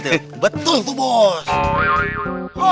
ada apaan sih